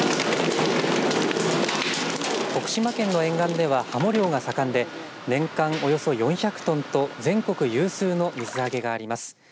徳島県の沿岸ではハモ漁が盛んで年間およそ４００トンと全国有数の水揚げがあります。